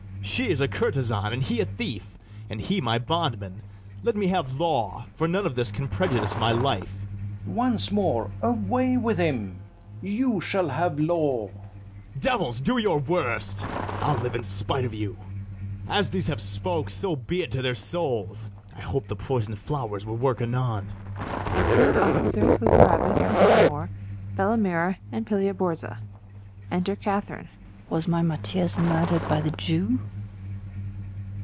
She is a courtezan, and he a thief, And he my bondman: let me have law; For none of this can prejudice my life. FERNEZE. Once more, away with him! You shall have law. BARABAS. Devils, do your worst! I['ll] live in spite of you. [Aside.] As these have spoke, so be it to their souls! I hope the poison'd flowers will work anon. [Aside.] [Exeunt OFFICERS with BARABAS and ITHAMORE; BELLAMIRA, and PILIA BORZA.] Enter KATHARINE. KATHARINE. Was my Mathias murder'd by the Jew?